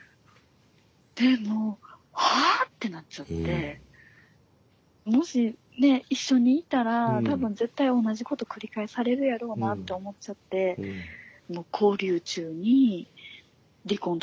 でもう「はぁ⁉」ってなっちゃって。もしねえ一緒にいたら多分絶対同じこと繰り返されるやろうなと思っちゃってもう勾留中に離婚届を持っていって。